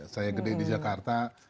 saya gede di jakarta